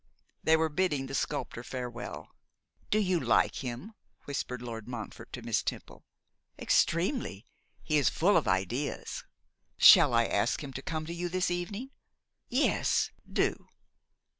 They were bidding the sculptor farewell. 'Do you like him?' whispered Lord Montfort of Miss Temple. 'Extremely; he is full of ideas.' 'Shall I ask him to come to you this evening?' 'Yes, do!